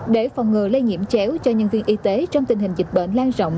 để phòng ngừa lây nhiễm chéo cho nhân viên y tế trong tình hình dịch bệnh lan rộng